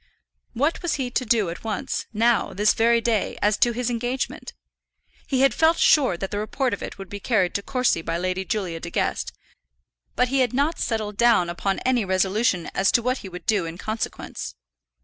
What was he to do at once, now, this very day, as to his engagement? He had felt sure that the report of it would be carried to Courcy by Lady Julia De Guest, but he had not settled down upon any resolution as to what he would do in consequence.